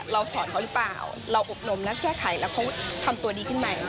สอนเขาหรือเปล่าเราอบรมและแก้ไขแล้วเขาทำตัวดีขึ้นไหม